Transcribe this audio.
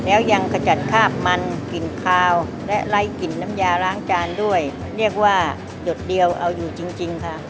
แล้วยังขจัดคาบมันกลิ่นคาวและไร้กลิ่นน้ำยาล้างจานด้วยเรียกว่าหยดเดียวเอาอยู่จริงจริงค่ะ